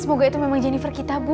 semoga itu memang jennifer kita bu